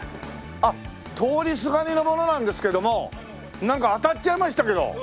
通りすがりの者なんですけどもなんか当たっちゃいましたけど。